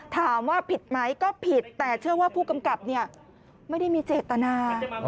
ถามว่าผิดไหมก็ผิดแต่เชื่อว่าผู้กำกับไม่ได้มีเจตนา